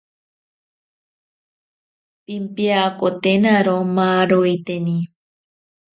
Pimpeyakotenaro maaroiteni.